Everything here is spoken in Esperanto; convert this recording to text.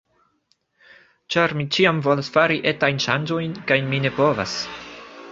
Ĉar mi ĉiam volas fari etajn ŝanĝojn, kaj mi ne povas